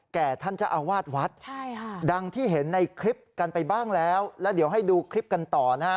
ท่านเจ้าอาวาสวัดดังที่เห็นในคลิปกันไปบ้างแล้วแล้วเดี๋ยวให้ดูคลิปกันต่อนะฮะ